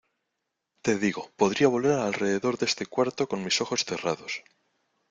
¡ Te digo, podría volar alrededor de este cuarto con mis ojos cerrados!